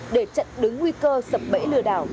để chặn đứng nguy cơ sập bẫy lừa đảo